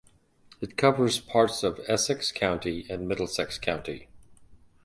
It covers parts of Essex County and Middlesex County.